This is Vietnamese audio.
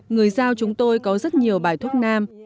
người giao chúng tôi có rất nhiều bài thuốc nam